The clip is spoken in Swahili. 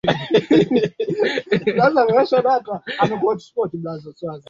kwa kutumia kiasi cha sawa na shilingi bilioni thelathini na mbili